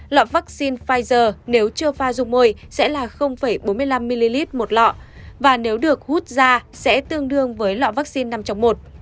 loại vaccine pfizer nếu chưa pha dung môi sẽ là bốn mươi năm ml một lọ và nếu được hút ra sẽ tương đương với loại vaccine năm trong một